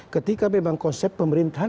ketika memang konsep pemerintahan